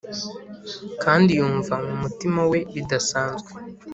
kandi yumva mumutima we bidasanzwe,